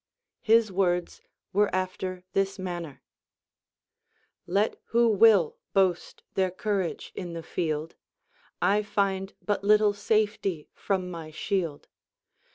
His words Avere after this manner :— Let who will boast their courage in the field, I find but little safetj' from m\' shield.